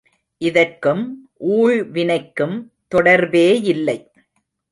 இதற்கும் ஊழ்வினைக்கும் தொடர்பேயில்லை.